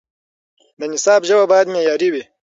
د نصاب ژبه باید معیاري وي.